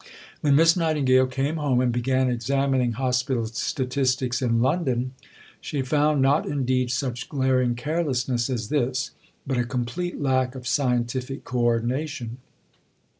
" When Miss Nightingale came home, and began examining Hospital Statistics in London, she found, not indeed such glaring carelessness as this, but a complete lack of scientific co ordination.